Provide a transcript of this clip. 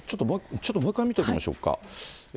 ちょっともう一回見ときましょうか。